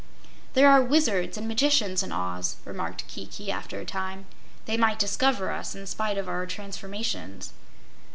"There are wizards and magicians in Oz," remarked Kiki, after a time. "They might discover us, in spite of our transformations."